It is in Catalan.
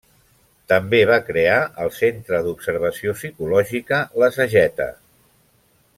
També va crear el centre d'observació psicològica La Sageta.